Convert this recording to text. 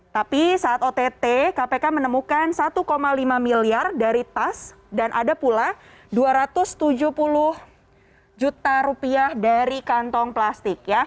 tapi saat ott kpk menemukan satu lima miliar dari tas dan ada pula dua ratus tujuh puluh juta rupiah dari kantong plastik